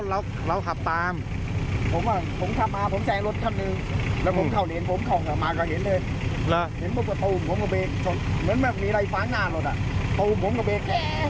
เห็นบอกว่าโตอุ่มของผมก็เบกเหมือนมีอะไรฟ้านานลดอ่ะโตอุ่มของผมก็เบก